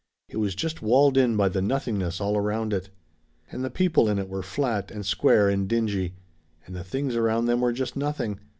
It was just walled in by the nothingness all around it. "And the people in it were flat, and square, and dingy. And the things around them were just nothing.